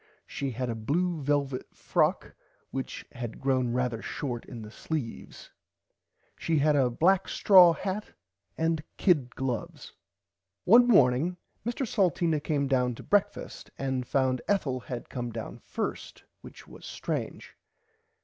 She had a blue velvit frock which had grown rarther short in the sleeves. She had a black straw hat and kid gloves. [Pg 24] One morning Mr Salteena came down to brekfast and found Ethel had come down first which was strange.